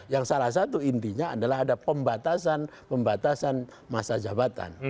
yang salah satu intinya adalah ada pembatasan pembatasan masa jabatan